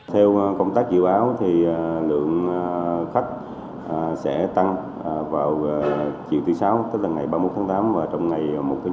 theo công tác dự báo thì lượng khách sẽ tăng vào chiều thứ sáu tức là ngày ba mươi một tháng tám và trong ngày một tháng chín